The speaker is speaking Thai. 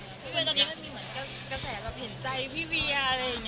พี่เว้นตอนนี้มันมีเหมือนกระแสแบบเห็นใจพี่เวียอะไรอย่างนี้